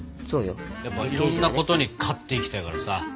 そうよ。やっぱいろんなことに勝っていきたいからさ。